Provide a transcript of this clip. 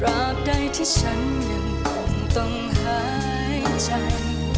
ราบใดที่ฉันยังคงต้องหายฉัน